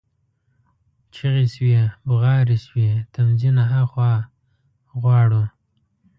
چیغي شوې، بغارې شوې: تمځي نه ها خوا غواړو،